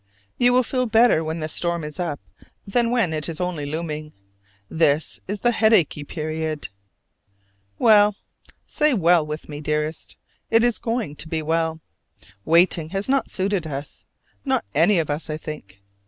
You will feel better when the storm is up than when it is only looming. This is the headachy period. Well. Say "well" with me, dearest! It is going to be well: waiting has not suited us not any of us, I think.